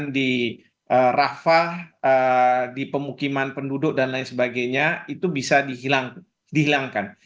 di rafah di pemukiman penduduk dan lain sebagainya itu bisa dihilangkan